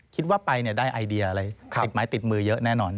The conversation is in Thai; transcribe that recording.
คิดว่าไปได้ไอเดียอะไรติดไม้ติดมือเยอะแน่นอน